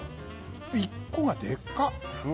１個がでっかい！